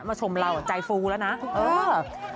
ชมเราใจฟูแล้วนะเออ